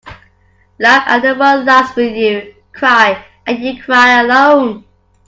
Laugh and the world laughs with you. Cry and you cry alone.